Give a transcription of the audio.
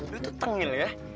lu tuh tengil ya